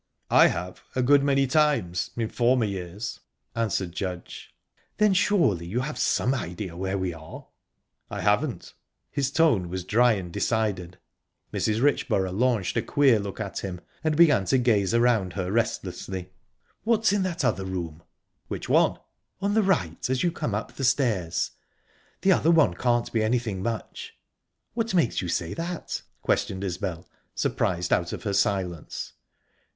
"I have, a good many times, in former years," answered Judge. "Then surely you have some idea where we are?" "I haven't." His tone was dry and decided. Mrs. Richborough launched a queer look at him, and began to gaze around her restlessly. "What's in that other room?" "Which one?" "On the right, as you come up the stairs. The other one can't be anything much." "What makes you say that?" questioned Isbel, surprised out of her silence.